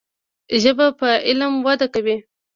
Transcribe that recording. ژبه په علم وده کوي.